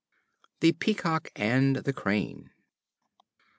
The Peacock and the Crane.